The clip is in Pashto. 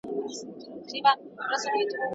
حضوري زده کړه به د تمرين اصلاح اسانه کړي.